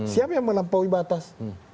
siapa yang melampaui batas